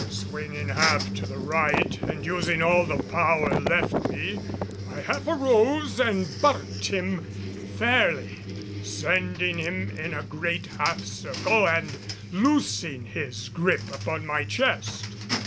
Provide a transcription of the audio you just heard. Swinging half to the right and using all the power left me, I half arose and buttocked him fairly, sending him in a great half circle and loosing his gripe upon my chest.